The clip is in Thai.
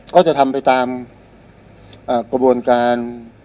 ก็จะทำไปตามกระบวนการ